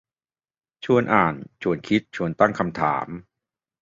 ชวนอ่าน ชวนคิด ชวนตั้งคำถาม